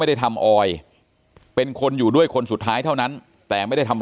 ได้ทำออยเป็นคนอยู่ด้วยคนสุดท้ายเท่านั้นแต่ไม่ได้ทำ